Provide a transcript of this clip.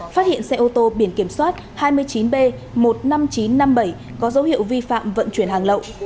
phát hiện xe ô tô biển kiểm soát hai mươi chín b một mươi năm nghìn chín trăm năm mươi bảy có dấu hiệu vi phạm vận chuyển hàng lậu